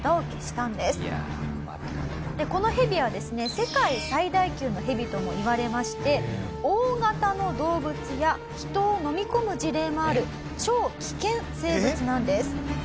世界最大級のヘビともいわれまして大型の動物や人をのみ込む事例もある超危険生物なんです。